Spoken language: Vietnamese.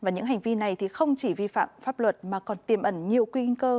những hành vi này không chỉ vi phạm pháp luật mà còn tiêm ẩn nhiều quy kinh cơ